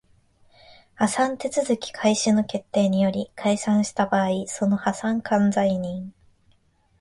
破産手続開始の決定により解散した場合その破産管財人